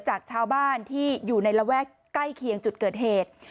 จากชาวบ้านที่อยู่ในระแวกใกล้เคียงจุดเกิดเหตุ